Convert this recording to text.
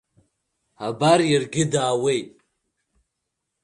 Абар иаргьы даауеит.